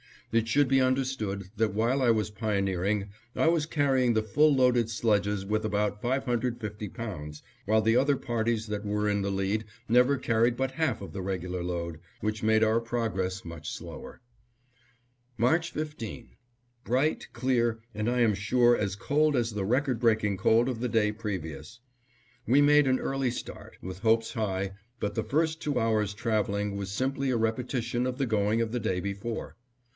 It should be understood that while I was pioneering I was carrying the full loaded sledges with about 550 pounds, while the other parties that were in the lead never carried but half of the regular load, which made our progress much slower. March 15: Bright, clear, and I am sure as cold as the record breaking cold of the day previous. We made an early start, with hopes high; but the first two hours' traveling was simply a repetition of the going of the day before.